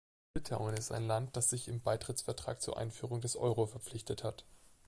Litauen ist ein Land, das sich im Beitrittsvertrag zur Einführung des Euro verpflichtet hat.